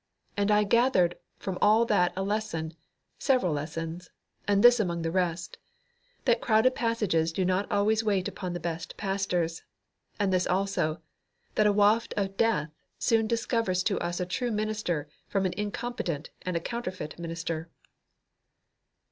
And I gathered from all that a lesson several lessons, and this among the rest that crowded passages do not always wait upon the best pastors; and this also, that a waft of death soon discovers to us a true minister from an incompetent and a counterfeit minister.